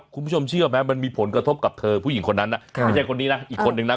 คุณผู้ชมเชื่อไหมมันมีผลกระทบกับเธอผู้หญิงคนนั้นไม่ใช่คนนี้นะอีกคนนึงนะ